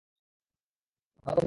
ধন্যবাদ, ভালো কফি বানাও।